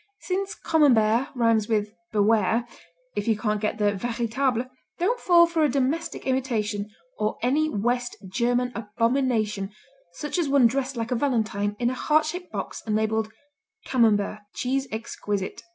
Since Camembert rhymes with beware, if you can't get the véritable don't fall for a domestic imitation or any West German abomination such as one dressed like a valentine in a heart shaped box and labeled "Camembert Cheese Exquisite."